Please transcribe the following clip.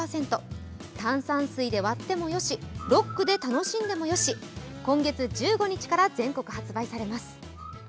炭酸水で割ってもよし、ロックで楽しんでもよし、今月１５日から全国発売されます。